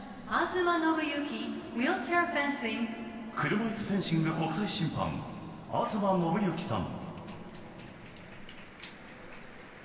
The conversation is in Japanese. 車いすフェンシング国際審判、東伸行さん。